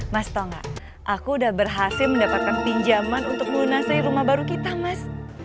mas tonga aku udah berhasil mendapatkan pinjaman untuk melunasi rumah baru kita mas